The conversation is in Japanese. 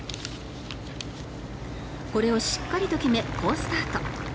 これをしっかりと決め好スタート。